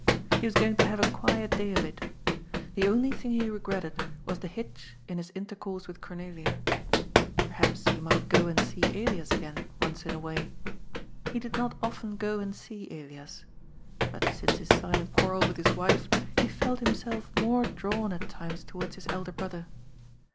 He was going to have a quiet day of it. The only thing he regretted was the hitch in his intercourse with Cornelia. Perhaps he might go and see Elias again, once in a way. He did not often go and see Elias. But since his silent quarrel with his wife, he felt himself more drawn at times towards his elder brother.